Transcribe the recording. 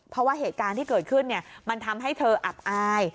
เพราะว่าเหตุการณ์ที่เกิดขึ้นมันทำให้เธออับอาย